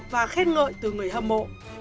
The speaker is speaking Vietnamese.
và khen ngợi từ người hâm mộ